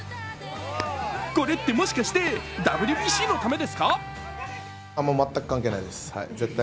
これって、もしかしてＷＢＣのためですか？